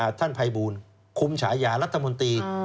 ครูมฉาอยารัฐมนตรี